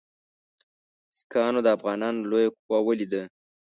سیکهانو د افغانانو لویه قوه ولیده.